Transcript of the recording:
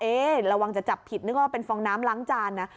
ระวังจะจับผิดนึกว่าเป็นฟองน้ำล้างจานนะ